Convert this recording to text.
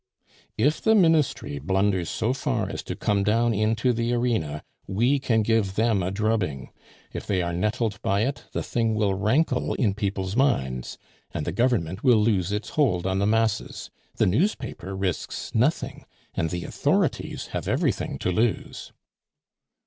"If the Ministry blunders so far as to come down into the arena, we can give them a drubbing. If they are nettled by it, the thing will rankle in people's minds, and the Government will lose its hold on the masses. The newspaper risks nothing, and the authorities have everything to lose."